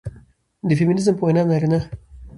د فيمينزم په وينا نارينه